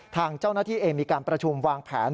ทางเจ้าหน้าที่เองมีการประชุมวางแผน